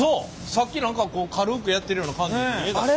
さっき何か軽くやってるような感じに見えたけど。